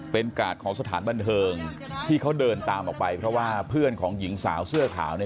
เป็นกาดของสถานบันเทิงที่เขาเดินตามออกไปเพราะว่าเพื่อนของหญิงสาวเสื้อขาวเนี่ย